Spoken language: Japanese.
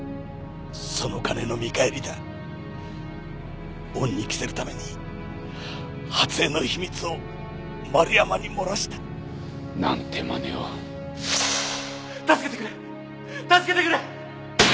その金の見返りだ恩に着せるために初枝の秘密を丸山に漏らしたなんてマネを助けてくれ助けてくれ！